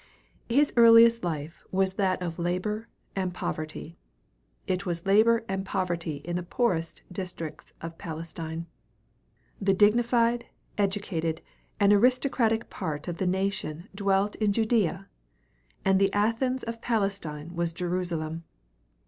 His earliest life was that of labor and poverty, and it was labor and poverty in the poorest districts of Palestine. The dignified, educated, and aristocratic part of the nation dwelt in Judea, and the Athens of Palestine was Jerusalem.